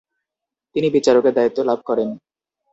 তিনি বিচারকের দায়িত্ব লাভ করেন।